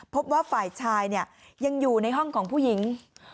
พบว่าฝ่ายชายยังอยู่ในห้องของผู้หญิง